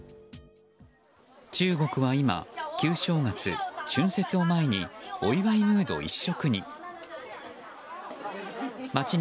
中国は今旧正月、春節を前にお祝いムード一色に。